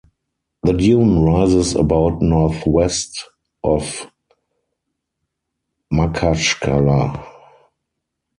The dune rises about northwest of Makhachkala.